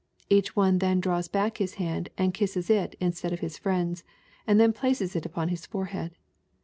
Each one then draws back his hand, and kisses it instead of his friend's, and then places it upon his forehead.